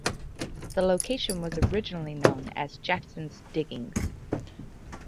The location was originally known as "Jackson's Diggings".